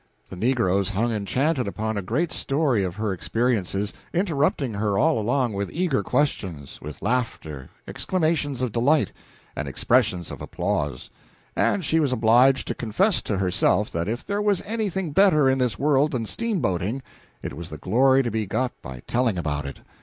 The negroes hung enchanted upon the great story of her experiences, interrupting her all along with eager questions, with laughter, exclamations of delight and expressions of applause; and she was obliged to confess to herself that if there was anything better in this world than steamboating, it was the glory to be got by telling about it.